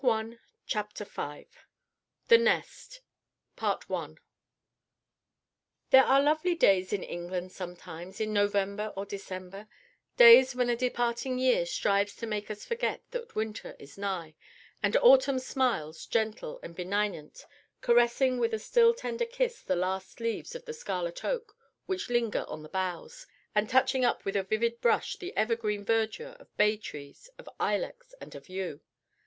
Martin Roget. CHAPTER V THE NEST I There are lovely days in England sometimes in November or December, days when the departing year strives to make us forget that winter is nigh, and autumn smiles, gentle and benignant, caressing with a still tender kiss the last leaves of the scarlet oak which linger on the boughs, and touching up with a vivid brush the evergreen verdure of bay trees, of ilex and of yew.